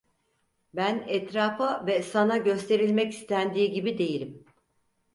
Ben etrafa ve sana gösterilmek istendiği gibi değilim.